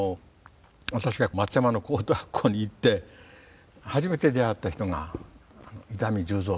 私は松山の高等学校に行って初めて出会った人が伊丹十三っていう人で。